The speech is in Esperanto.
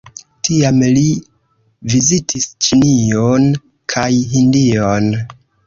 Tiam li vizitis Ĉinion kaj Hindion.